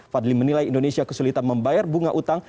fadli menilai indonesia kesulitan membayar bunga utang